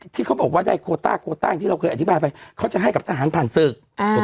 ที่เขาบอกว่าได้โควต้าเคยอธิบายไว้เขาจะให้กับทางผ่านศึก